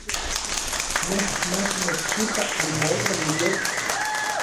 Nej, mach nochipa anmouan nietos.